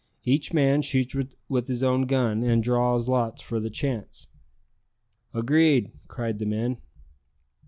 Each man shoots with his own gun, and draws lots for the chance." "Agreed," cried the men.